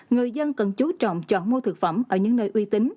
người dân cần chú trọng chọn mua thực phẩm ở những nơi uy tín